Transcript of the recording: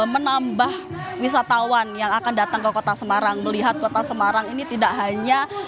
menambah wisatawan yang akan datang ke kota semarang melihat kota semarang ini tidak hanya